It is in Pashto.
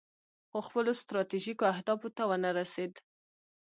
خو خپلو ستراتیژیکو اهدافو ته ونه رسید.